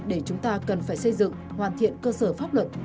để chúng ta cần phải xây dựng hoàn thiện cơ sở pháp luật